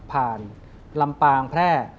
ผ่านลำปางแพร่